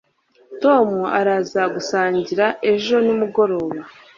Tom araza gusangira ejo nimugoroba